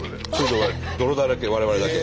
泥だらけ我々だけ。